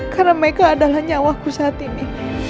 karena mereka adalah nyawaku saat ini